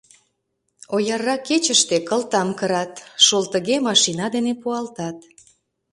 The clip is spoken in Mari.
Ояррак кечыште кылтам кырат, шолтыге машина дене пуалтат.